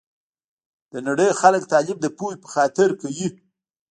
د نړۍ خلګ تعلیم د پوهي په خاطر کوي